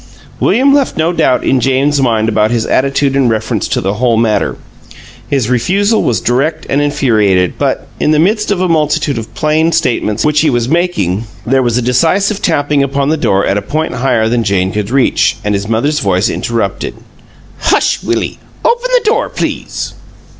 William left no doubt in Jane's mind about his attitude in reference to the whole matter. His refusal was direct and infuriated, but, in the midst of a multitude of plain statements which he was making, there was a decisive tapping upon the door at a point higher than Jane could reach, and his mother's voice interrupted: "Hush, Willie! Open the door, please."